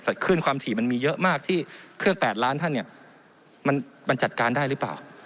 ขึ้นความถี่มันมีเยอะมากที่เครื่อง๘ล้านท่านเนี่ยมันจัดการได้หรือเปล่า